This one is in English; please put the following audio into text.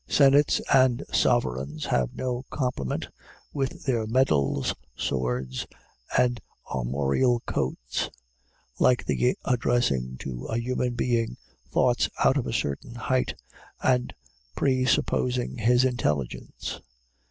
Senates and sovereigns have no compliment, with their medals, swords, and armorial coats, like the addressing to a human being thoughts out of a certain height, and presupposing his intelligence.